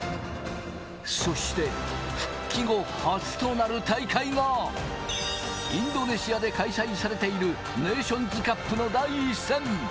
そして、復帰後初となる大会が、インドネシアで開催されているネーションズカップの第１戦。